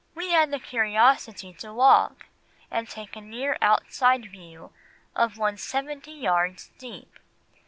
"We had the curiosity to walk and take a near outside view of one seventy yards deep.